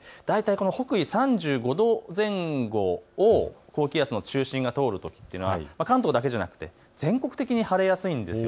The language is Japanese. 北緯３５度前後を高気圧の中心が通るときというのは関東だけじゃなく全国的に晴れやすいんです。